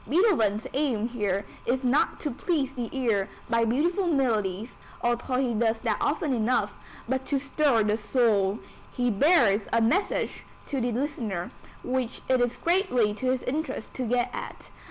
Beethoven's aim here is not to please the ear by beautiful melodies, although he does that often enough, but to stir the soul. He bears a message to the listener, which it is greatly to his interest to get at.